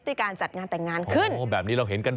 ด้วยการจัดงานแต่งงานขึ้น